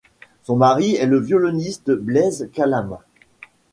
Son mari est le violoniste Blaise Calame.